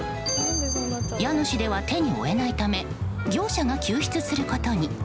家主では手に負えないため業者が救出することに。